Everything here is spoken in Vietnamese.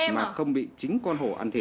mà không bị chính con hổ ăn thiệt